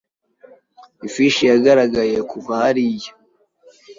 Ifishi yagaragaye kuva hariya.